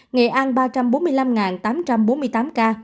nghệ an ba trăm bốn mươi năm tám trăm bốn mươi tám ca